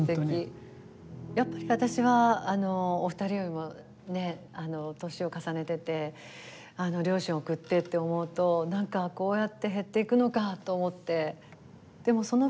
やっぱり私はお二人よりも年を重ねてて両親を送ってって思うと何かこうやって減っていくのかと思って。